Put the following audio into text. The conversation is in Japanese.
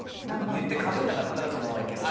言ってかぶんなかったらそのままいける。